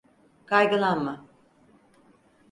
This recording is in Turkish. Kaygılanma.